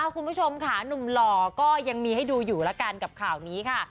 คุณผู้ชมค่ะหนุ่มหล่อก็ยังมีให้ดูอยู่แล้วกันกับข่าวนี้ค่ะ